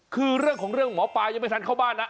คือเรื่องของเรื่องหมอปลายังไม่ทันเข้าบ้านนะ